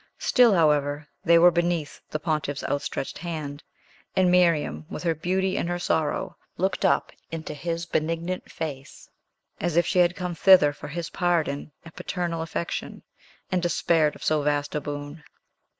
Still, however, they were beneath the pontiff's outstretched hand; and Miriam, with her beauty and her sorrow, looked up into his benignant face, as if she had come thither for his pardon and paternal affection, and despaired of so vast a boon.